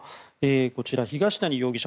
こちら、東谷容疑者